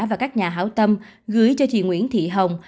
và các nhà hảo tâm gửi cho chị nguyễn thị hồng